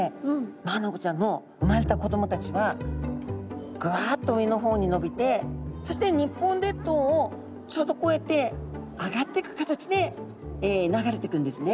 マアナゴちゃんの産まれた子どもたちはぐわっと上の方に伸びてそして日本列島をちょうどこうやって上がってく形で流れてくんですね。